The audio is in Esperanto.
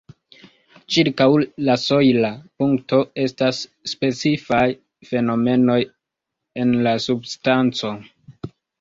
Ĉirkaŭ la sojla punkto estas specifaj fenomenoj en la substanco.